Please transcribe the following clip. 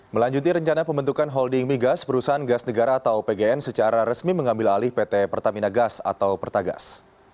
melanjuti rencana pembentukan holding migas perusahaan gas negara atau opgn secara resmi mengambil alih pt pertamina gas atau pertagas